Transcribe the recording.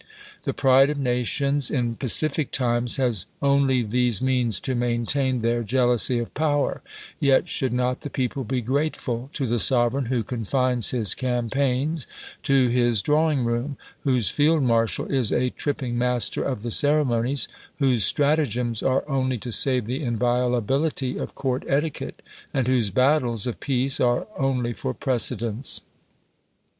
The pride of nations, in pacific times, has only these means to maintain their jealousy of power: yet should not the people be grateful to the sovereign who confines his campaigns to his drawing room: whose field marshal is a tripping master of the ceremonies; whose stratagems are only to save the inviolability of court etiquette; and whose battles of peace are only for precedence?